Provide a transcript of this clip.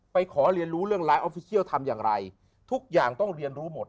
ขอเรียนรู้เรื่องร้ายออฟฟิเชียลทำอย่างไรทุกอย่างต้องเรียนรู้หมด